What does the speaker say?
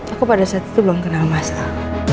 aku pada saat itu belum kenal mas al